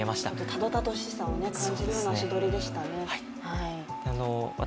たどたどしさを感じるような足取りでしたね。